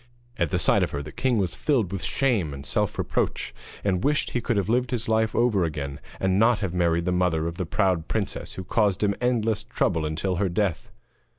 At the sight of her the king was filled with shame and self reproach, and wished he could have lived his life over again, and not have married the mother of the proud princess, who caused him endless trouble until her death.